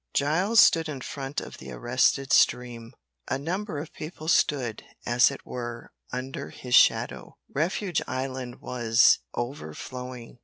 Giles stood in front of the arrested stream. A number of people stood, as it were, under his shadow. Refuge island was overflowing.